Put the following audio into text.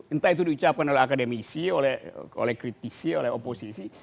entah itu diucapkan oleh akademisi oleh kritisi oleh oposisi